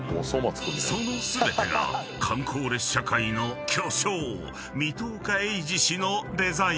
［その全てが観光列車界の巨匠水戸岡鋭治氏のデザイン］